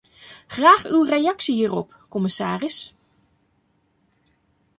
Graag uw reactie hierop, commissaris.